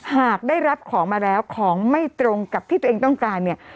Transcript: หากได้รับของมาแล้วของไม่ตรงกับที่ตัวเองต้องการเนี่ย